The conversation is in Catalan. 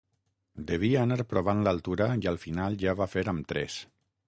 Devia anar provant l'altura i al final ja va fer amb tres.